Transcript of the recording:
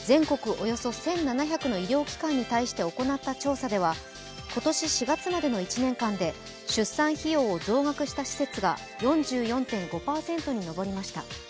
およそ１７００の医療機関に対して行った調査では今年４月までの１年間で、出産費用を増額した施設が４４．５％に上りました。